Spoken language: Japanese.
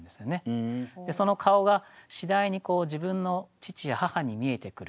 でその顔が次第に自分の父や母に見えてくる。